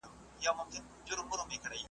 کنه ولي به مي شپه وړلای مخموره `